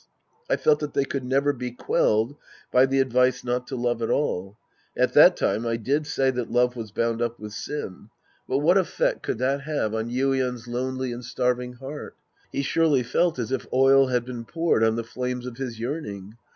I felt that they could never be quelled by the ad^^ce not to love at all. At that time I did say that love was bound up wi'h sin. But what effect could that Sc. n The Priest and His Disciples 197 have on Yuien's lonely and starving heart? He surely felt as if oil had been poured on the flames of his yearning..